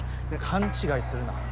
勘違いするな。